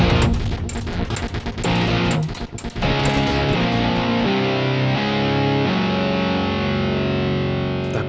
aku mau nolak